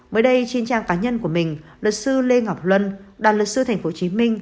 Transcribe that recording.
mới đây trên trang cá nhân của mình luật sư lê ngọc luân đoàn luật sư tp hcm